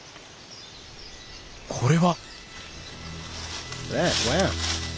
これは！